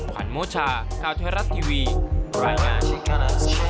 ขวัญโมชาข่าวไทยรัฐทีวีรายงาน